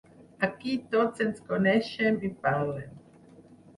Aquí tots ens coneixem i parlem.